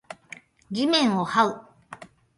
地面を這う